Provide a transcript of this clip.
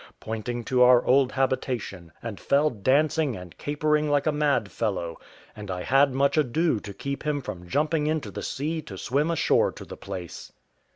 pointing to our old habitation, and fell dancing and capering like a mad fellow; and I had much ado to keep him from jumping into the sea to swim ashore to the place.